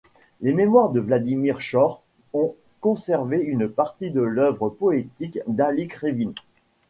Les mémoires de Vladimir Chor ont conservé une partie de l'œuvre poétique d'Alik Rivine.